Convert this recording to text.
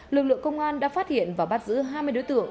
lực lượng công an đã phát hiện và bắt giữ hai mươi đối tượng